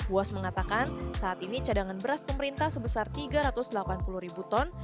was mengatakan saat ini cadangan beras pemerintah sebesar tiga ratus delapan puluh ribu ton